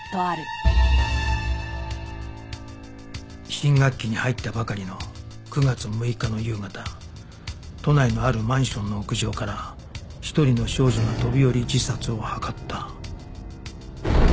「新学期に入ったばかりの９月６日の夕方都内のあるマンションの屋上から一人の少女が飛び降り自殺を図った」